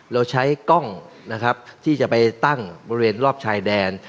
เราใช้กล้องนะครับที่จะไปตั้งบริเวณรอบชายแดน